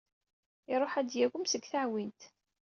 Iruḥ ad d-yagem seg teɛwint.